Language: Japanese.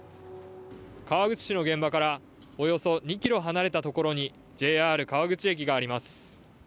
川口市の現場からおよそ２ｋｍ離れたところにＪＲ川口駅があります。